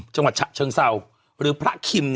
จังหวัดฉะเชิงเศร้าหรือพระคิม